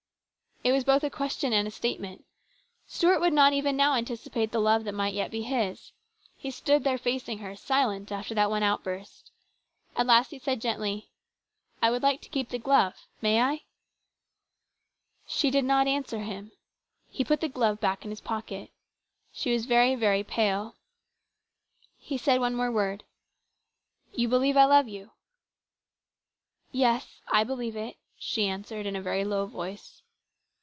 It was both a question and a statement. Stuart would not even now anticipate the love that might yet be his. He stood there facing her, silent after that one outburst. At last he said gently, " I would like to keep the glove ; may I ?" She did not answer him. He put the glove back in his pocket. She was very, very pale. He said one more word :" You believe I love you ?"" Yes, I believe it," she answered, in a very low voice.